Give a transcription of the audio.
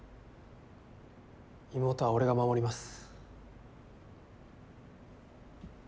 妹は俺が守ります。